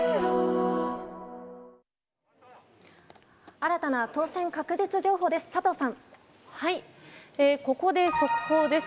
新たな当選確実情報です。